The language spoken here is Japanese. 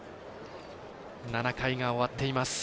７回が終わっています。